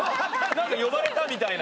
なんか呼ばれたみたいな。